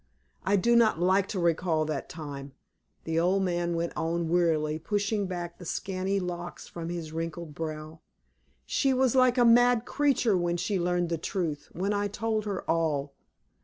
I do not like to recall that time," the old man went on, wearily, pushing back the scanty locks from his wrinkled brow. "She was like a mad creature when she learned the truth, when I told her all.